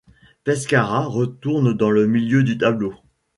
Pescara retourne dans le milieu du tableau.